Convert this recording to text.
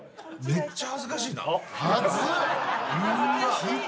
めっちゃ恥ずかしいな。はずっ！